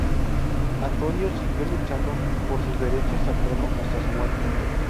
Antonio siguió luchando por sus derechos al trono hasta su muerte.